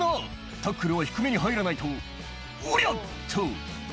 「タックルは低めに入らないとおりゃ！っと」